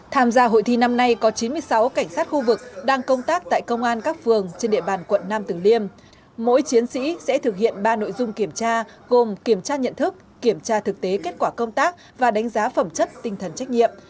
tham gia hội thi năm nay có chín mươi sáu cảnh sát khu vực đang công tác tại công an các phường trên địa bàn quận nam tử liêm mỗi chiến sĩ sẽ thực hiện ba nội dung kiểm tra gồm kiểm tra nhận thức kiểm tra thực tế kết quả công tác và đánh giá phẩm chất tinh thần trách nhiệm